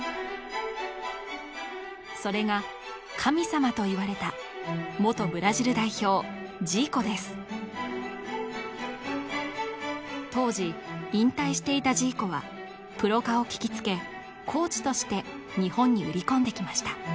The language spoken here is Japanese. それが神様といわれた当時引退していたジーコはプロ化を聞きつけコーチとして日本に売り込んできました